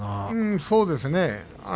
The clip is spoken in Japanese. そうですね。